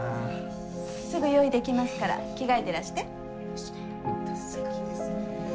すぐ用意できますから着替えてらして。